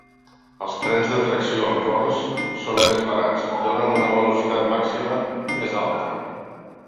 Els trens de tracció amb rodes són més barats i donen una velocitat màxima més alta.